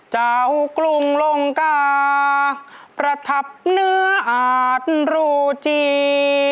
กรุงลงกาประทับเนื้ออาจรูจี